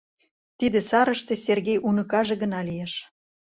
Тиде сарыште Сергей уныкаже гына лиеш.